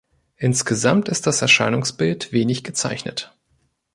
Insgesamt ist das Erscheinungsbild wenig gezeichnet.